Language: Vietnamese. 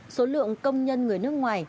số lượng công nhân người nước ngoài